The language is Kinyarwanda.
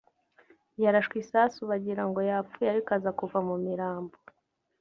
yarashwe isasu bagira ngo yapfuye ariko aza kuva mu mirambo